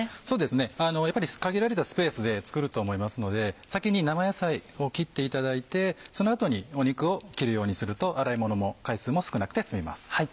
そうですね限られたスペースで作ると思いますので先に生野菜を切っていただいてその後に肉を切るようにすると洗い物も回数も少なくて済みます。